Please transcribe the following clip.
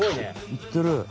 いってる。